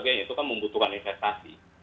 itu kan membutuhkan investasi